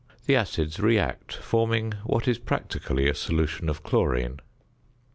The acids react forming what is practically a solution of chlorine.